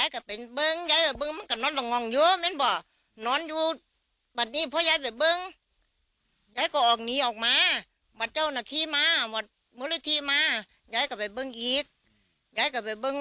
แล้วก็ออกนี้ออกมาบัตรเจ้าหน้าที่มาหมดมูลฤทธิมาย้ายกลับไปเบิ้งอีกย้ายกลับไปเบิ้ง